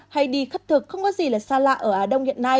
hay đi khất thực không có gì là xa lạ ở á đông hiện nay